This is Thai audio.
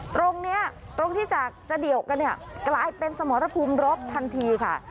ตรงนี้ตรงที่จากจะเดี่ยวกันเนี่ยกลายเป็นสมรภูมิรบทันทีค่ะ